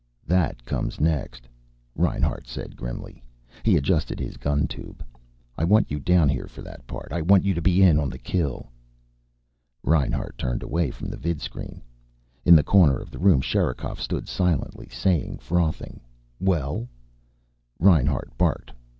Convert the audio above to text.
"That comes next," Reinhart said grimly. He adjusted his gun tube. "I want you down here, for that part. I want you to be in on the kill." Reinhart turned away from the vidscreen. In the corner of the room Sherikov stood silently, saying nothing. "Well?" Reinhart barked.